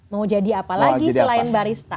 mau jadi apa lagi selain barista